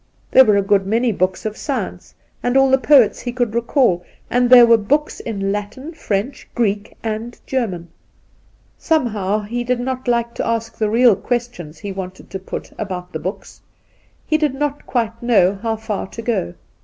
There were a good many books of science, and all the poets he could recall ; and there were books in Induna Nairn 91 LatiB, French, Greek, and German, Somehow he did not like to ask the real questions he wanted to put about the books. He did not quite know how far to go.